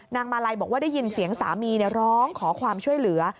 มาลัยบอกว่าได้ยินเสียงสามีร้องขอความช่วยเหลือ